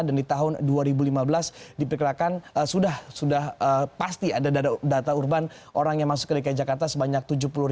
dan di tahun dua ribu lima belas diperkirakan sudah pasti ada data urban orang yang masuk ke dki jakarta sebanyak tujuh puluh lima ratus empat